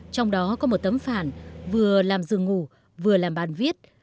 trong đó có một tấm phản vừa làm dừng ngủ vừa làm bàn viết